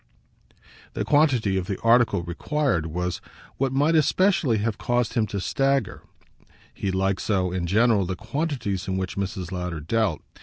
The quantity of the article required was what might especially have caused him to stagger he liked so, in general, the quantities in which Mrs. Lowder dealt.